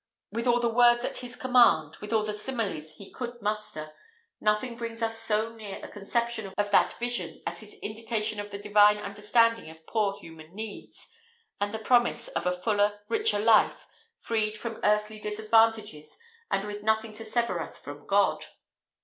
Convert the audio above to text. With all the words at his command, with all the similes he could muster, nothing brings us so near a conception of that vision as his indication of the Divine understanding of poor human needs, and the promise of a fuller, richer life, freed from earthly disadvantages and with nothing to sever us from God.